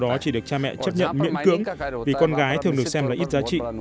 đó chỉ được cha mẹ chấp nhận miễn cưỡng vì con gái thường được xem là ít giá trị